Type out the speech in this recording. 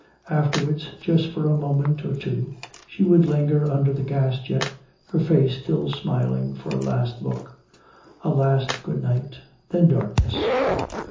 Afterward, just for a moment or two, she would linger under the gas jet, her face still smiling, for a last look. A last good night. Then darkness.